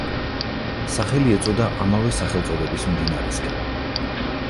სახელი ეწოდა ამავე სახელწოდების მდინარისგან.